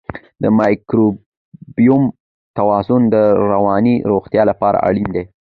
د مایکروبیوم توازن د رواني روغتیا لپاره اړین دی.